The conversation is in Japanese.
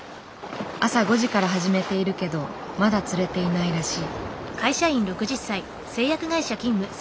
朝５時から始めているけどまだ釣れていないらしい。